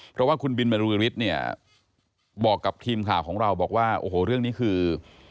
เพราะว่าคุณบินบรือฤทธิ์เนี่ยบอกกับทีมข่าวของเราบอกว่าโอ้โหเรื่องนี้คือ